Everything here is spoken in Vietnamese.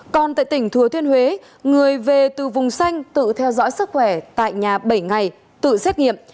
còn tại tỉnh thừa thiên huế người về từ vùng xanh tự theo dõi sức khỏe tại nhà bảy ngày tự xét nghiệm